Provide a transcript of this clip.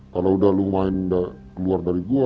kalau udah lo main keluar dari gue